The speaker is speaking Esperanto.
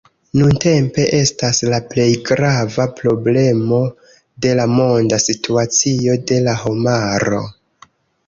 Nuntempe estas la plej grava problemo de la monda situacio de la homaro.